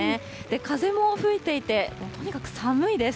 風も吹いていて、とにかく寒いです。